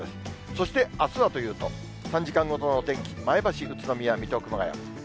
そしてあすはというと、３時間ごとのお天気、前橋、宇都宮、水戸、熊谷。